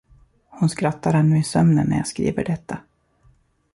Hon skrattar ännu i sömnen när jag skriver detta.